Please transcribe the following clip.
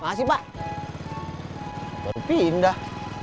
makasih pak baru pindah